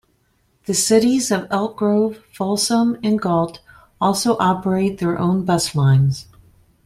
The cities of Elk Grove, Folsom and Galt also operate their own bus lines.